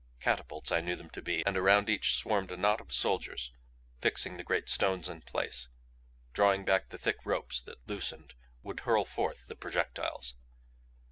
Catapults I knew them to be and around each swarmed a knot of soldiers, fixing the great stones in place, drawing back the thick ropes that, loosened, would hurl forth the projectiles.